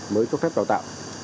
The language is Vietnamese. mới cho phép đào tạo